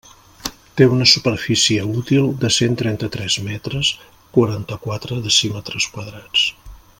Té una superfície útil de cent trenta-tres metres, quaranta-quatre decímetres quadrats.